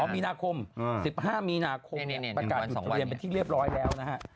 มีนาคม๑๕มีนาคมประกาศหยุดเรียนเป็นที่เรียบร้อยแล้วนะฮะ